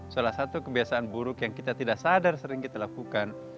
salah satu kebiasaan buruk yang kita tidak sadar sering kita lakukan